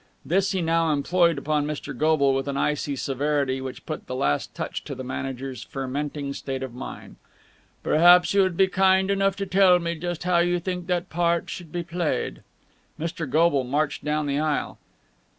This he now employed upon Mr. Goble with an icy severity which put the last touch to the manager's fermenting state of mind. "Perhaps you would be kind enough to tell me just how you think that part should be played?" Mr. Goble marched down the aisle.